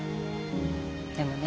でもね